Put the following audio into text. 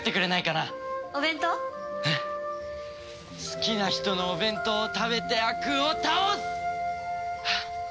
好きな人のお弁当を食べて悪を倒す！